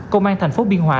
công an thành phố biên hòa